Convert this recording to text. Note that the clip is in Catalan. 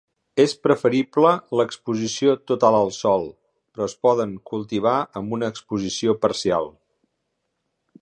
És preferible l"exposició total al sol, però es poden cultivar amb una exposició parcial.